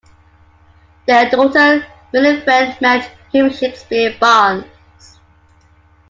Their daughter Winifred married Hugh Shakespear Barnes.